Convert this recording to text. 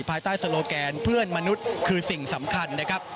ภายใต้โลแกนเพื่อนมนุษย์คือสิ่งสำคัญนะครับ